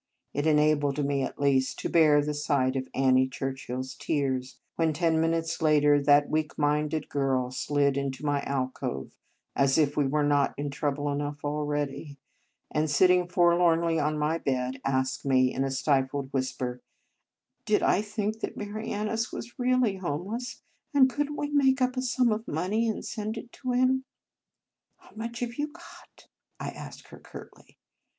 It enabled me, at least, to bear the sight of Annie Churchill s tears, when, ten minutes later, that weak minded girl slid into my alcove (as if we were not in trou ble enough already), and, sitting for lornly on my bed, asked me in a stifled whisper, " did I think that Marianus was really homeless, and could n t we make up a sum of money, and send it to him?" "How much have you got?" I asked her curtly.